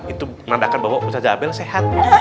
itu menandakan bahwa ustadz zabel sehat